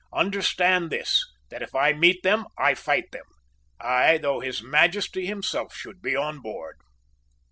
Understand this, that if I meet them I fight them, ay, though His Majesty himself should be on board."